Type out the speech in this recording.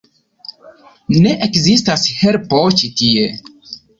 Ne ekzistas helpo ĉi tie.